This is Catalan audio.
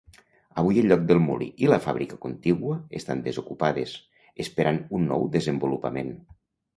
Avui el lloc del molí i la fàbrica contigua estan desocupades, esperant un nou desenvolupament.